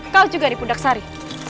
kau juga dipudak sari